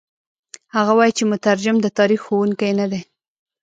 هغه وايي چې مترجم د تاریخ ښوونکی نه دی.